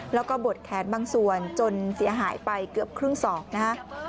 แล้วก็บดแขนบางส่วนจนเสียหายไปเกือบครึ่งศอกนะฮะ